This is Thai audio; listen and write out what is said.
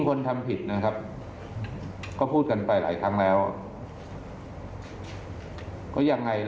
ฟังท่านเพิ่มค่ะบอกว่าถ้าผู้ต้องหาหรือว่าคนก่อเหตุฟังอยู่